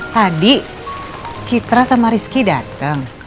tadi citra sama rizky dateng